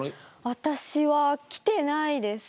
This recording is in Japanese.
私はきてないです。